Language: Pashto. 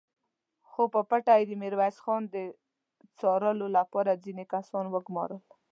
خو په پټه يې د ميرويس خان د څارلو له پاره ځينې کسان وګومارل!